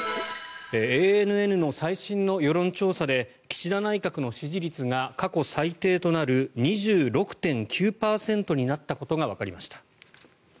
ＡＮＮの最新の世論調査で岸田内閣の支持率が過去最低となる２６．９％になったことがわかりました。